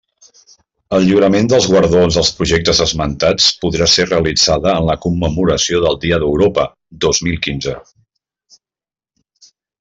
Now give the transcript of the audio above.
El lliurament dels guardons als projectes esmentats podrà ser realitzada en la commemoració del dia d'Europa dos mil quinze.